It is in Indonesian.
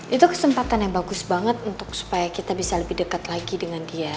itu kesempatan yang bagus banget supaya kita bisa lebih dekat lagi dengan dia